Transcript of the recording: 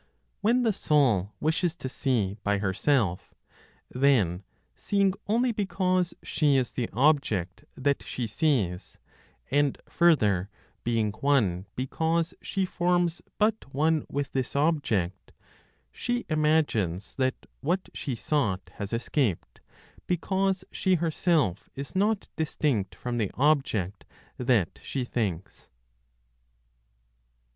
When the soul wishes to see by herself, then seeing only because she is the object that she sees, and, further, being one because she forms but one with this object, she imagines that what she sought has escaped, because she herself is not distinct from the object that she thinks.